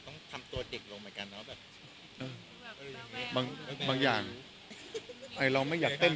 ก็เหมือนต้องทำตัวเด็กลงไปกันเนอะแบบเออบางบางอย่างไอ้เราไม่อยากเต้น